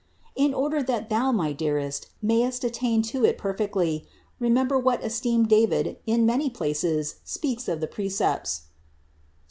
In order that thou, my dearest, mayest attain to it per fectly, remember with what esteem David in many places speaks of the precepts (Ps.